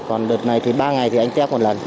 còn lần này thì ba ngày thì anh kép một lần